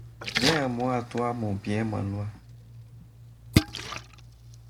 Viens à moi, toi, mon bien, ma loi!